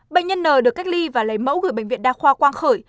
bệnh nhân n được cách ly và lấy mẫu gửi bệnh viện đa khoa quang khởi